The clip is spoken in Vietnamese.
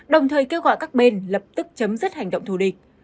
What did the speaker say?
đồng thời kêu gọi các bên lập tức chấm dứt hành động thù địch